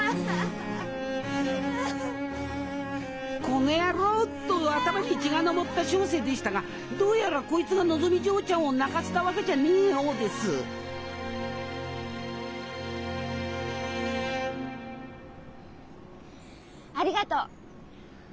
この野郎！と頭に血が上った小生でしたがどうやらこいつがのぞみ嬢ちゃんを泣かせたわけじゃねえようですありがとう！